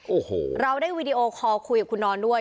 โอ้โหเราได้วีดีโอคอลคุยกับคุณนอนด้วย